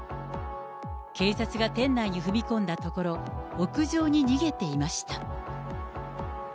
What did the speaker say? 警察が店内に踏み込んだところ、屋上に逃げていました。